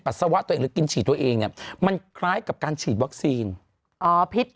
สาวะตัวเองหรือกินฉีดตัวเองเนี่ยมันคล้ายกับการฉีดวัคซีนอ๋อพิษ